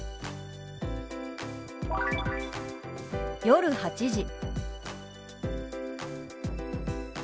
「夜８時」。